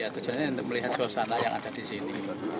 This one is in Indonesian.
tujuan ini untuk melihat suasana yang ada di sini